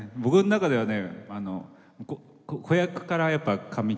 僕の中ではね。